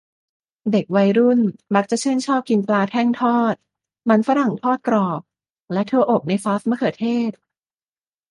เด็กวัยรุ่นมักจะชื่นชอบกินปลาแท่งทอด มันฝรั่งทอดกรอบ และถั่วอบในซอสมะเขือเทศ